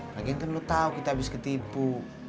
lagi nanti lo tahu kita habis ketipu